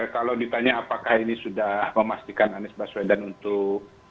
kalau ditanya apakah ini sudah memastikan anies baswedan untuk